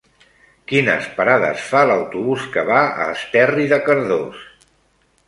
Quines parades fa l'autobús que va a Esterri de Cardós?